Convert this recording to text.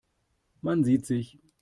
Man sieht sich.